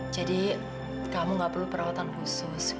jadi kamu gak perlu perawatan khusus